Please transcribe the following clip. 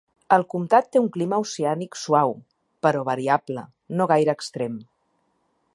El comtat té un clima oceànic suau, però variable, no gaire extrem.